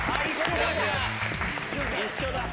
一緒だ。